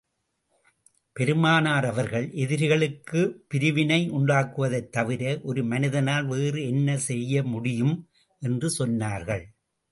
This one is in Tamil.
பெருமானார் அவர்கள், எதிரிகளுக்குள் பிரிவினை உண்டாக்குவதைத் தவிர, ஒரு மனிதனால் வேறு என்ன செய்ய முடியும்? என்று சொன்னார்கள்.